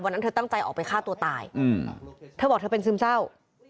เธอตั้งใจออกไปฆ่าตัวตายเธอบอกเธอเป็นซึมเศร้า